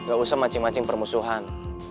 gak usah macing macing permusuhan